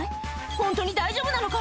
ホントに大丈夫なのか？